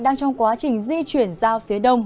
đang trong quá trình di chuyển ra phía đông